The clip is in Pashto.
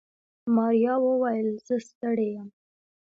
ماريا وويل زه ستړې يم.